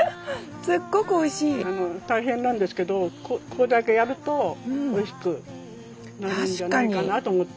すっごくおいしい。大変なんですけどこれだけやるとおいしくなるんじゃないかなと思って。